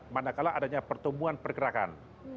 manakala adanya pertumbuhan pergerakan